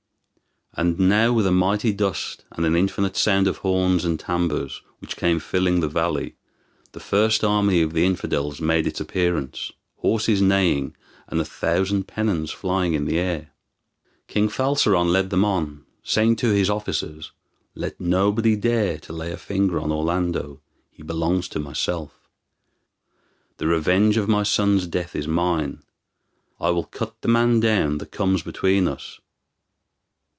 And now with a mighty dust, and an infinite sound of horns and tambours, which came filling the valley, the first army of the infidels made its appearance, horses neighing, and a thousand pennons flying in the air. King Falseron led them on, saying to his officers: "Let nobody dare to lay a finger on Orlando. He belongs to myself. The revenge of my son's death is mine. I will cut the man down that comes between us."